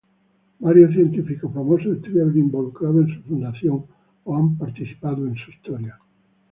Varios científicos famosos estuvieron involucrados en su fundación o han participado en su historia.